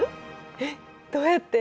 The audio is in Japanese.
えっどうやって？